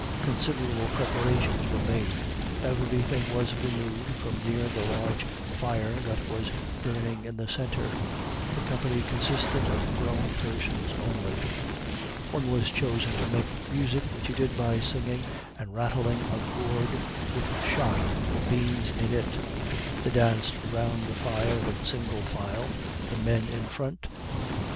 Considerable preparations were made. Every thing was removed from near the large fire that was burning in the centre. The company consisted of grown persons only. One was chosen to make music, which he did by singing and rattling a gourd with shot, or beans in it. They danced round the fire in single file, the men in front.